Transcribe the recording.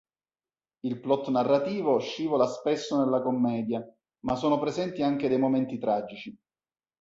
Il plot narrativo scivola spesso nella commedia, ma sono presenti anche dei momenti tragici.